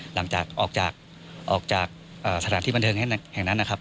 หลังจากออกจากสถานที่บันเทิงแห่งนั้นนะครับ